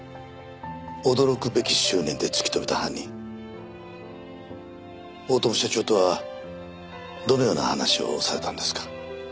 驚くべき執念で突き止めた犯人大友社長とはどのような話をされたんですか？